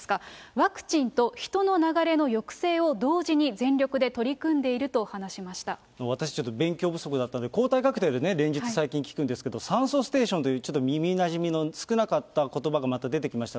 ワクチンと人の流れの抑制を同時に全力で取り組んでいると話しま私、ちょっと勉強不足だったんで、抗体カクテルね、連日、最近聞くんですけれども、酸素ステーションという、ちょっと耳なじみの少なかったことばがまた出てきました。